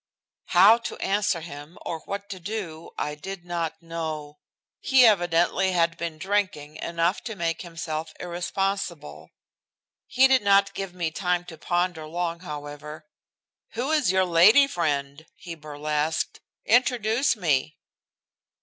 How to answer him or what to do I did not know. He evidently had been drinking enough to make himself irresponsible. He did not give me time to ponder long, however, "Who is your lady friend," he burlesqued. "Introduce me."